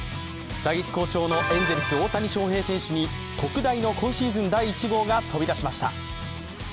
打撃好調のエンゼルス大谷翔平選手に特大の今シーズン第１号が飛び出しました。